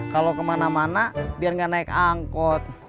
kalau kemana mana biar nggak naik angkot